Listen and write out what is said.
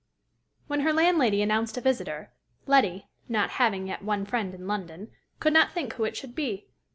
When her landlady announced a visitor, Letty, not having yet one friend in London, could not think who it should be.